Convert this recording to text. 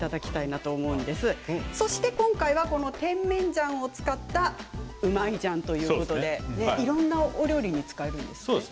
甜麺醤を使ったうまい醤ということでいろんな料理に使えるんですね。